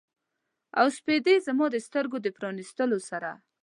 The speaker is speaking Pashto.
او سپیدې زما د سترګو د پرانیستلو سره